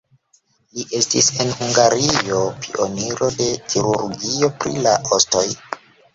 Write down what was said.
Li estis en Hungario pioniro de kirurgio pri la ostoj.